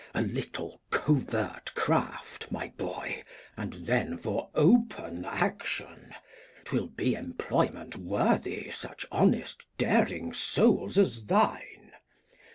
A little covert Craft, my Boy, Act III] King Lear 209 And then for open Action ; 'twill be Employment Worthy such honest daring Souls as thine.